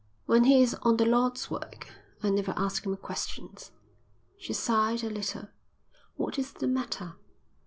"When he is on the Lord's work I never ask him questions." She sighed a little. "What is the matter?"